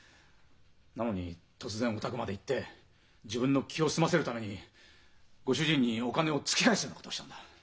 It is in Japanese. なのに突然お宅まで行って自分の気を済ませるためにご主人にお金を突き返すようなことをしたんだ。